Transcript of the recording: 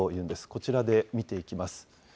こちらで見ていきます。